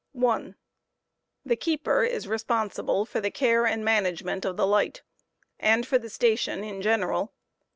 1, The keeper is responsible for the care ami management of the light, and for B ^fXfV e " the station in general.